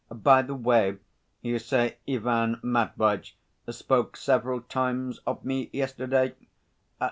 By the way, you say Ivan Matveitch spoke several times of me yesterday?"